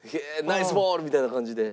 「ナイスボール」みたいな感じで？